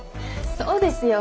そうですよ。